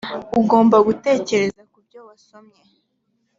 ugomba gutekereza ku byo wasomye